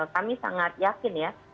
kami sangat yakin ya